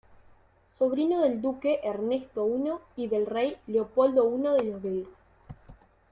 Sobrino del duque Ernesto I y del rey Leopoldo I de los Belgas.